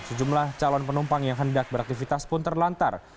sejumlah calon penumpang yang hendak beraktivitas pun terlantar